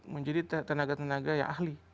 menjadi tenaga tenaga yang ahli